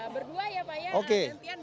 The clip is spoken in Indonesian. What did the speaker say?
berdua ya pak ya nantian bisa ya pak